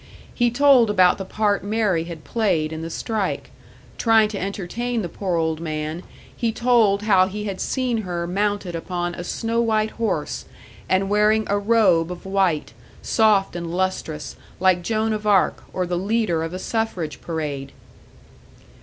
He told about the part Mary had played in the strike; trying to entertain the poor old man, he told how he had seen her mounted upon a snow white horse, and wearing a robe of white, soft and lustrous, like Joan of Arc, or the leader of a suffrage parade.